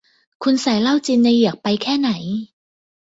คุณใส่เหล้าจินในเหยือกไปแค่ไหน